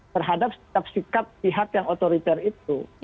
terhadap setiap sikap pihak yang otoriter itu